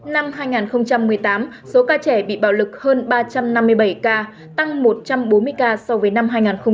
năm hai nghìn một mươi tám số ca trẻ bị bạo lực hơn ba trăm năm mươi bảy ca tăng một trăm bốn mươi ca so với năm hai nghìn một mươi bảy